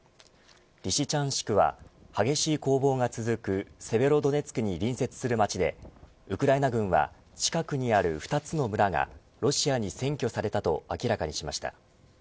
リシチャンシクは激しい攻防が続くセベロドネツクに隣接する町でウクライナ軍は近くにある２つの村がロシアに占拠されたと明らかにしました。